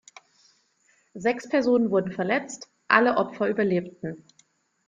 Sechs Personen wurden verletzt, alle Opfer überlebten.